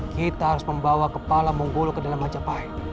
kita harus membawa kepala menggulu ke dalam majapahit